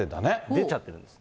出ちゃってるんです。